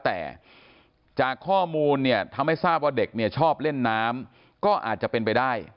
แต่จากข้อมูลเนี่ยทำให้ทราบว่าเด็กเนี่ยชอบเล่นน้ำก็อาจจะเป็นไปได้